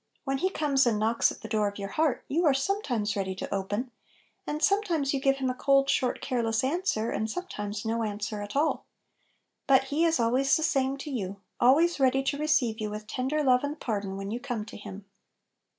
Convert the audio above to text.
When He comes and knocks at the door of your heart, you are sometimes ready to open; and sometimes you give TTim a cold, short, careless answer; and sometimes no answer at alL But He is always the same to you; always ready to receive you with tender love and pardon when you come to him.